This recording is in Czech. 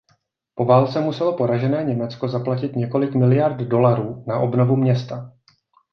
Po válce muselo poražené Německo zaplatit několik miliard dolarů na obnovu města.